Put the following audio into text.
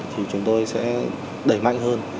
thì chúng tôi sẽ đẩy mạnh hơn